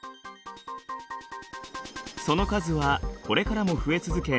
その数はこれからも増え続け